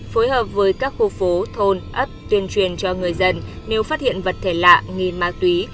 phối hợp với các khu phố thôn ấp tuyên truyền cho người dân nếu phát hiện vật thể lạ nghi ma túy